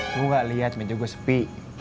gua lihat menjaga sepi